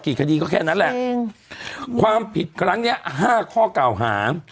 คดีก็แค่นั้นแหละจริงความผิดครั้งเนี้ยห้าข้อเก่าหา